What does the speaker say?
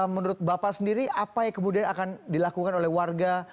menurut bapak sendiri apa yang kemudian akan dilakukan oleh warga